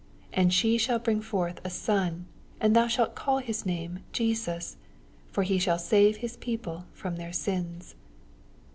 21 And she shall bring forth a son, and thou shalt call his name JESUS : for he shall save his people from theli sins.